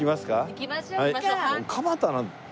行きましょうか。